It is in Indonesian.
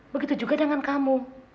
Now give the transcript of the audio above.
begitu juga dengan kamu